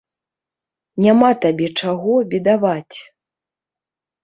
Няма табе чаго бедаваць!